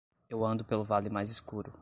Eu ando pelo vale mais escuro.